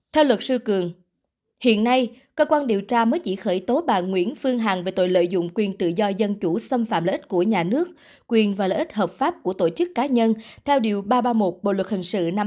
theo luật sư cường hiện nay cơ quan điều tra mới chỉ khởi tố bà nguyễn phương hằng về tội lợi dụng quyền tự do dân chủ xâm phạm lợi ích của nhà nước quyền và lợi ích hợp pháp của tổ chức cá nhân theo điều ba trăm ba mươi một bộ luật hình sự năm hai nghìn một mươi năm